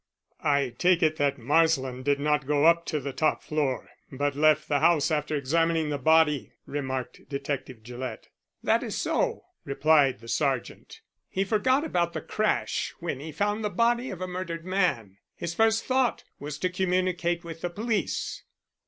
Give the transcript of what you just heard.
"I take it that Marsland did not go up to the top floor but left the house after examining the body," remarked Detective Gillett. "That is so," replied the Sergeant. "He forgot about the crash when he found the body of a murdered man. His first thought was to communicate with the police."